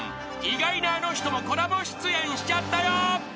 ［意外なあの人もコラボ出演しちゃったよ］